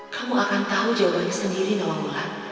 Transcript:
kamu akan tahu jawabannya sendiri nawamulan